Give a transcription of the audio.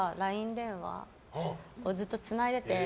電話をずっとつないでて。